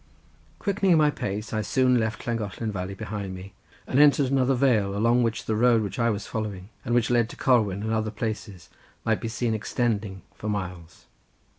Quickening my pace I soon left Llangollen valley behind me and entered another vale, along which the road which I was following, and which led to Corwen and other places, might be seen extending for miles.